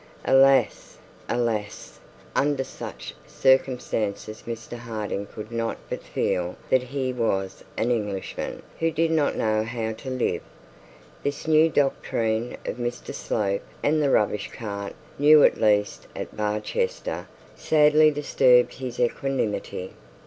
Alas, alas! under the circumstances Mr Harding could not but feel that he was an Englishman who did not know how to live. This new doctrine of Mr Slope and the rubbish cart, new at least at Barchester, sadly disturbed his equanimity.